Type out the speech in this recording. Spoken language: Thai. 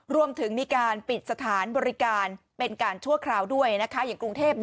รวมถึงมีการปิดสถานบริการเป็นการชั่วคราวด้วยนะคะอย่างกรุงเทพ